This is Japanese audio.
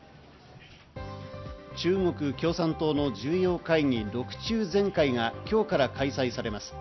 中国共産党の重要会議、６中全会が今日から開催されます。